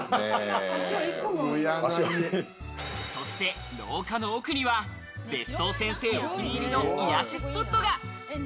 そして廊下の奥には、別荘先生お気に入りの癒やしスポットが。